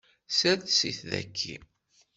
Sres-it daki.